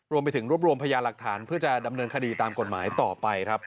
รวมไปถึงรวบรวมพยาหลักฐานเพื่อจะดำเนินคดีตามกฎหมายต่อไปครับ